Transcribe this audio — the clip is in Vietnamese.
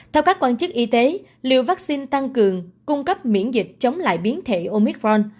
theo các quan chức y tế liều vaccine tăng cường cung cấp miễn dịch chống lại biến thể omitron